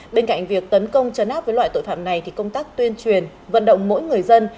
bên cạnh việc tấn công chấn áp với loại tội phạm này thì công tác tuyên truyền vận động mỗi người dân